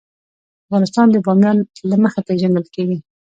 افغانستان د بامیان له مخې پېژندل کېږي.